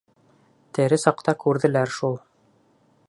Тере саҡта күрҙеләр шул.